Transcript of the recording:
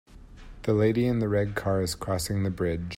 The lady in the red car is crossing the bridge.